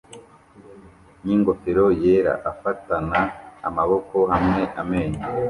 ningofero yera afatana amaboko hamwe amenyo